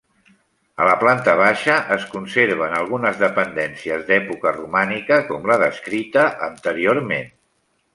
A la planta baixa es conserven algunes dependències d'època romànica, com la descrita anteriorment.